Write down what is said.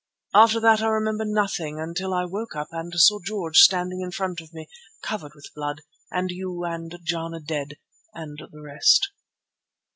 After that I remember nothing until I woke up and saw George standing in front of me covered with blood, and you, and Jana dead, and the rest."